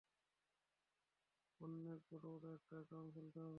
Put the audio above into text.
অন্নেক বড়ড়ড় একটা একাউন্ট খুলতে হবে।